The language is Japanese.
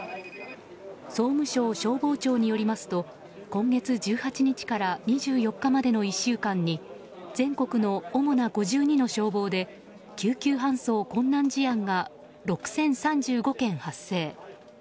総務省消防庁によりますと今月１８日から２４日までの１週間に全国の主な５２の消防で救急搬送困難事案が６０３５件発生。